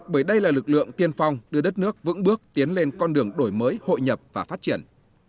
bởi đây là lực lượng tiên phong đưa đất nước vững bước tiến lên con đường đổi mới hội nhập và phát triển